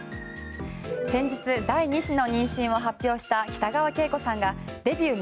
先日、第２子の妊娠を発表した北川景子さん。